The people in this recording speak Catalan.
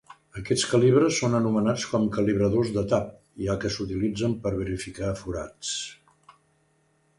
Aquests calibres són anomenats com calibradors de tap, ja que s'utilitzen per verificar forats.